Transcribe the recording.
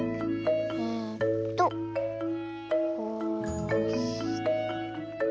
えっとこうして。